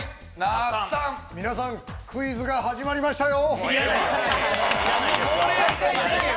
皆さん、クイズが始まりましたよ。